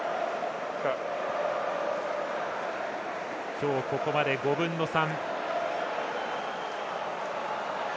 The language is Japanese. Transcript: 今日ここまで５分の３。